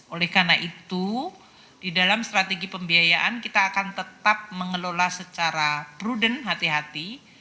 oleh karena itu di dalam strategi pembiayaan kita akan tetap mengelola secara prudent hati hati